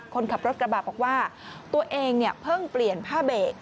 คนขับรถกระบะบอกว่าตัวเองเนี่ยเพิ่งเปลี่ยนผ้าเบรก